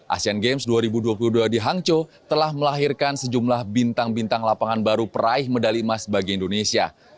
asean games dua ribu dua puluh dua di hangzhou telah melahirkan sejumlah bintang bintang lapangan baru peraih medali emas bagi indonesia